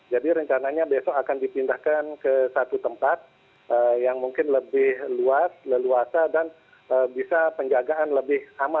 rencananya besok akan dipindahkan ke satu tempat yang mungkin lebih luas leluasa dan bisa penjagaan lebih aman